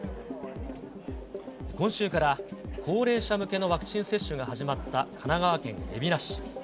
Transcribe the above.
今週から、高齢者向けのワクチン接種が始まった神奈川県海老名市。